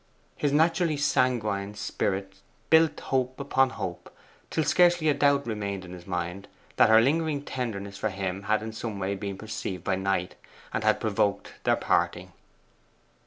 His naturally sanguine spirit built hope upon hope, till scarcely a doubt remained in his mind that her lingering tenderness for him had in some way been perceived by Knight, and had provoked their parting.